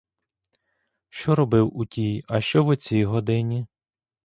Що робив у тій, а що в оцій годині?